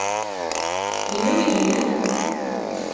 Yella win i yellan?